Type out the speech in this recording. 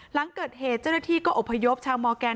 หลังเกิดเหตุเจ้าหน้าที่ก็อบพยพชาวมอร์แกน